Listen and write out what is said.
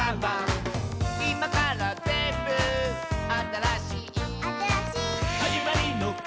「いまからぜんぶあたらしい」「あたらしい」「はじまりのかねが」